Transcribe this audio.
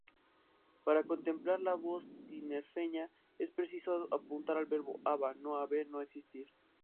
Para complementar la voz tinerfeña es preciso apuntar al verbo "aba"="no haber, no existir".